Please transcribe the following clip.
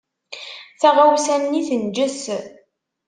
Taɣawsa-nni tenǧes.